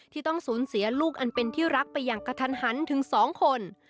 ที่ต้องสูญเสียลูกอันเป็นที่รักไปอย่างกระทันหันถึง๒คน